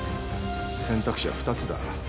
選択肢は２つだ。